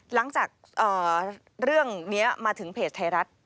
หลังจากเรื่องนี้มาถึงเพจไทยรัฐ